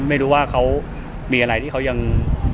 ไม่รู้ว่าเขามีอะไรที่เขายัง